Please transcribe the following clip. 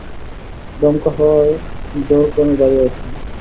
দমকা হাওয়ার জোর ক্রমে বাড়িয়া উঠিল।